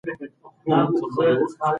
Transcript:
بهرنۍ پالیسي د اقتصاد څخه بېلې نه ده.